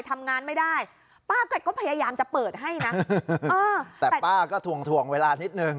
ทำงานไม่ได้ป้าแกก็พยายามจะเปิดให้นะเออแต่ป้าก็ถ่วงถ่วงเวลานิดนึง